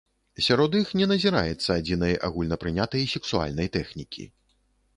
Сярод іх не назіраецца адзінай агульнапрынятай сексуальнай тэхнікі.